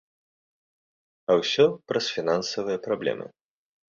А ўсё праз фінансавыя праблемы.